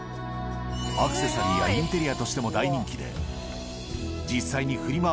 アクセサリーやインテリアとしても大人気で、実際にフリマ